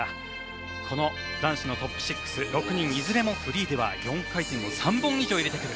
この男子のトップ６６人いずれもフリーでは４回転を３本以上入れてくる。